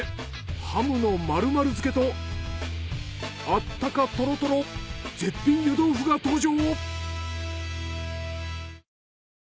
ハムの○○漬けとあったかトロトロ絶品湯豆腐が登場。